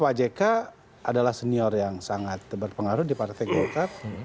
pak jk adalah senior yang sangat berpengaruh di partai golkar